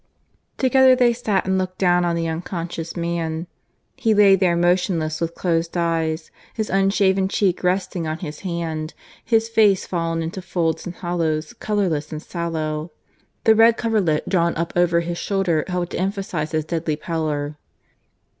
Together they stood and looked down on the unconscious man. He lay there motionless with closed eyes, his unshaven cheek resting on his hand, his face fallen into folds and hollows, colourless and sallow. The red coverlet drawn up over his shoulder helped to emphasize his deadly pallor.